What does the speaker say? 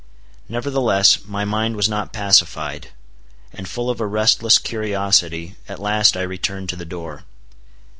Nevertheless, my mind was not pacified; and full of a restless curiosity, at last I returned to the door.